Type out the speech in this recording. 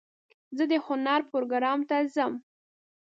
زه د هنر پروګرام ته ځم.